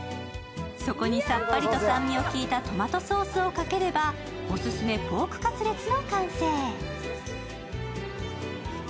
そこにさっぱりと酸味の効いたトマトソースをかければオススメポークカツレツの完成。